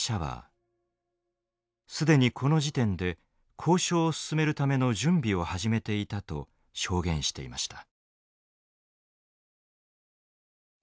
既にこの時点で交渉を進めるための準備を始めていたと証言していました。